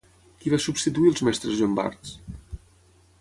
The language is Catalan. Qui va substituir els mestres llombards?